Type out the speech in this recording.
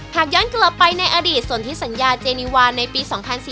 หากย้อนกลับไปในอดีตส่วนที่สัญญาเจนีวานในปี๒๔๙